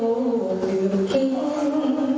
สวัสดีครับสวัสดีครับ